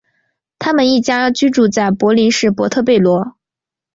他们一家居住在都柏林市波特贝罗。